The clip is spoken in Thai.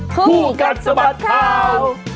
คู่กัดสะบัดข่าว